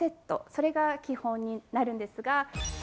それが基本になるんですが。